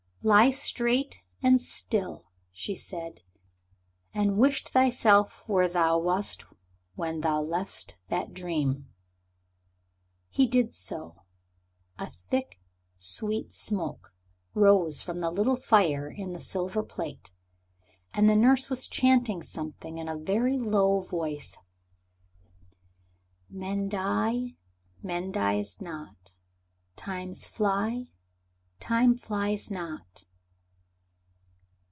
"Lie straight and still," she said, "and wish thyself where thou wast when thou leftest that dream." He did so. A thick, sweet smoke rose from the little fire in the silver plate, and the nurse was chanting something in a very low voice. "Men die, Man dies not. Times fly, Time flies not."